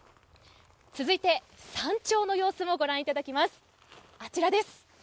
続いて、山頂の様子もご覧いただきます、あちらです。